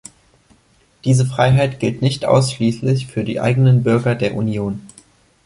Diese Freiheit gilt nicht ausschließlich für die eigenen Bürger der Union.